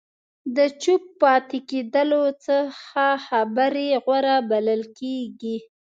د چوپ پاتې کېدلو څخه خبرې غوره بلل کېږي.